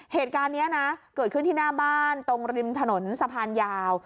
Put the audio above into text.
เหตุการณ์นี้นะเกิดขึ้นที่หน้าบ้านตรงริมถนนสะพานยาว